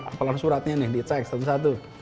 apalah suratnya nih dicek satu satu